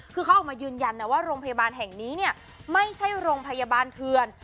คือเขาออกมายืนยันนะว่าโรงพยาบาลแห่งนี้เนี่ยไม่ใช่โรงพยาบาลเถื่อน